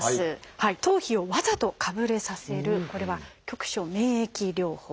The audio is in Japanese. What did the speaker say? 頭皮をわざとかぶれさせるこれは「局所免疫療法」。